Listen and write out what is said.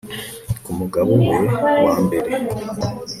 ku mugabo we wa mbere